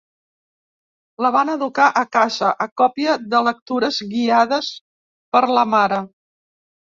La van educar a casa, a còpia de lectures guiades per la mare.